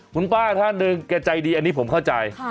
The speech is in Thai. คุณป้าท่านหนึ่งแกใจดีอันนี้ผมเข้าใจ